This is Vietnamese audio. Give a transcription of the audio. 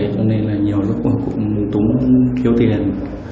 cho nên là nhiều lúc cũng tốn kiếu tiền